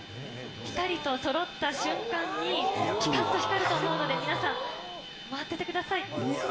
光とそろった瞬間に、ぴかっと光ると思うので、皆さん待っててください。